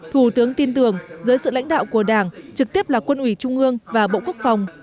thủ tướng tin tưởng dưới sự lãnh đạo của đảng trực tiếp là quân ủy trung ương và bộ quốc phòng